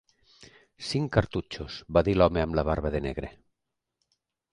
"Cinc cartutxos", va dir l'home amb la barba de negre.